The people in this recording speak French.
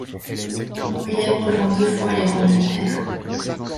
Williams rejoint deux fois les rangs militaires.